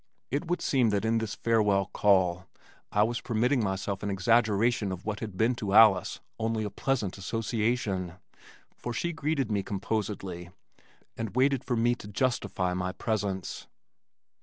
It would seem that in this farewell call I was permitting myself an exaggeration of what had been to Alice only a pleasant association, for she greeted me composedly and waited for me to justify my presence.